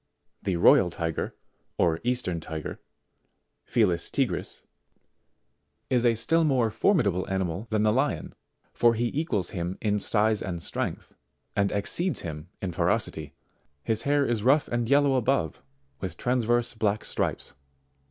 74: The Royal Tiger, or Eastern Tiger, Felis Tigris, is a still more formidable animal than the Lion, for he equals him in size and strength, and exceeds him in ferocity ; his hair is rough and yellow above with transverse black stripes.